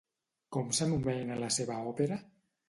Com s'anomena la seva òpera?